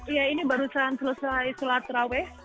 iya ini baru selesai sholat terawih